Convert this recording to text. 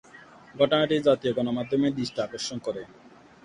ঘটনাটি জাতীয় গণমাধ্যমের দৃষ্টি আকর্ষণ করে।